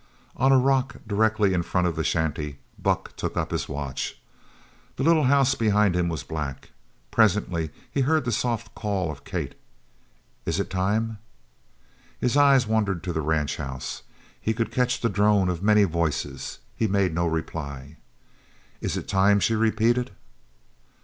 On a rock directly in front of the shanty Buck took up his watch. The little house behind him was black. Presently he heard the soft call of Kate: "Is it time?" His eyes wandered to the ranch house. He could catch the drone of many voices. He made no reply. "Is it time?" she repeated.